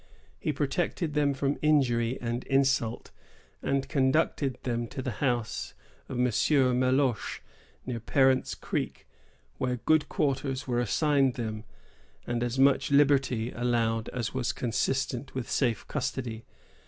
He protected them from injury and insult, and conducted them to the house of M. Meloche, near Parent's Creek, where good quarters were assigned them, and as much liberty allowed as was consistent with safe custody.